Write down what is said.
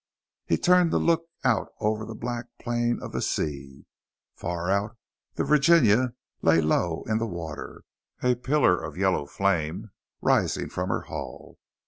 He turned to look out over the black plain of the sea. Far out, the Virginia lay low in the water, a pillar of yellow flame rising from her hull.